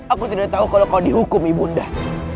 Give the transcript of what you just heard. aku tidak tahu kalau kau dihukum ibu undah